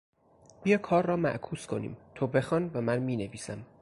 بیا کار را معکوس کنیم -- تو بخوان و من مینویسم.